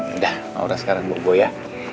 udah mau udah sekarang bobo ya